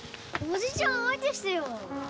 おじちゃん相手してよ！